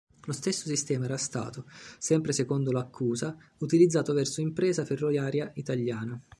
Lo stesso sistema era stato, sempre secondo l'accusa, utilizzato verso Impresa Ferroviaria italiana.